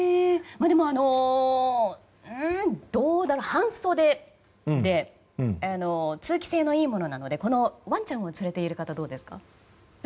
半袖で通気性がいいものなのでこのワンちゃんを連れている方どうですか？